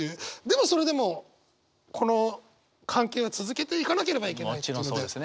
でもそれでもこの関係は続けていかなければいけないっていうので。